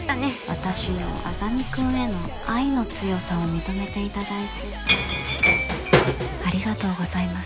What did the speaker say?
私の莇君への愛の強さを認めていただいてありがとうございます。